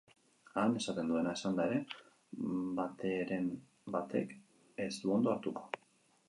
Han, esaten duena esanda ere bateren batek ez du ondo hartuko.